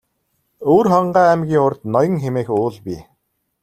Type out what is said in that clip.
Өвөрхангай аймгийн урд Ноён хэмээх уул бий.